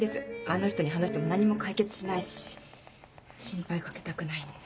あの人に話しても何も解決しないし心配掛けたくないんで。